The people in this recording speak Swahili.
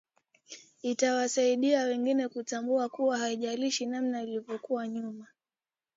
itawasaidia wengine kutambua kuwa haijalishi namna ulivyokuwa nyuma